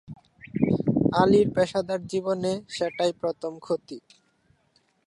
আলির পেশাদার জীবনে সেটাই প্রথম ক্ষতি।